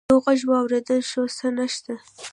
يو غږ واورېدل شو: څه نشته!